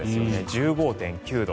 １５．９度。